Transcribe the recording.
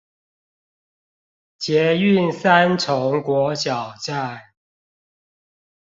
捷運三重國小站